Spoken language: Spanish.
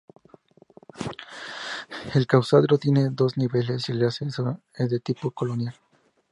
El claustro tiene dos niveles y el acceso es de tipo colonial.